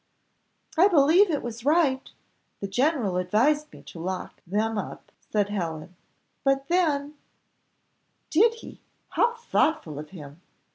"I believe it was right; the general advised me to lock, them up," said Helen, "but then " "Did he? how thoughtful of him!